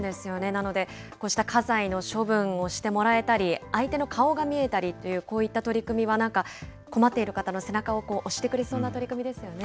なので、こうした家財の処分をしてもらえたり、相手の顔が見えたりという、こういった取り組みは、なんか困っている方の背中を押してくれそうな取り組みですよね。